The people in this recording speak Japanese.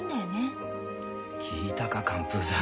聞いたか寒風山。